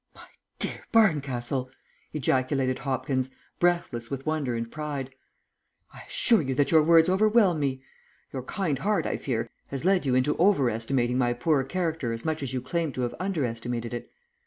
"My dear Barncastle," ejaculated Hopkins, breathless with wonder and pride. "I assure you that your words overwhelm me. Your kind heart, I fear, has led you into over estimating my poor character as much as you claim to have under estimated it.